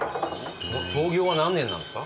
創業は何年なんですか？